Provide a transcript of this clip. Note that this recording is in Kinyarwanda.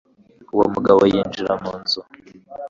uwo mugabo yinjira mu nzu